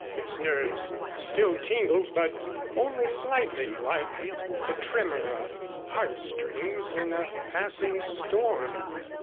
His nerves still tingled but only slightly like the tremor of harpstrings in a passing storm.